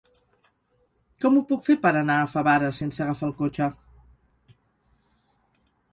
Com ho puc fer per anar a Favara sense agafar el cotxe?